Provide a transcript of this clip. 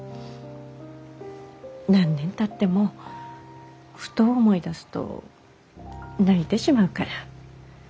何年たってもふと思い出すと泣いてしまうから。